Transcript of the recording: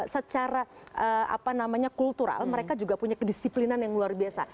secara kultural mereka juga punya kedisiplinan yang luar biasa